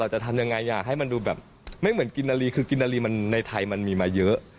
จะทำยังไงให้มันดูแบบไม่เหมือนกินนาลีคือกินนาลีมันในไทยมันมีมาเยอะ